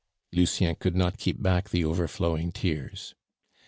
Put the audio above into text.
Lucien could not keep back the overflowing tears.